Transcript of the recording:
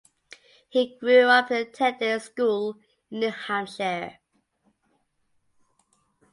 He grew up and attended school in New Hampshire.